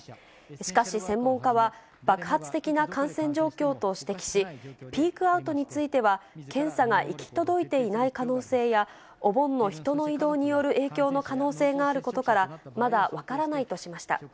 しかし、専門家は、爆発的な感染状況と指摘し、ピークアウトについては、検査が行き届いていない可能性や、お盆の人の移動による影響の可能性があることから、まだ分からないとしました。